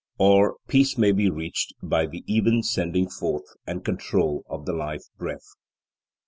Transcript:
Or peace may be reached by the even sending forth and control of the life breath.